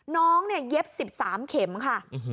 น้องเนี่ยเย็บ๑๓เข็มค่ะ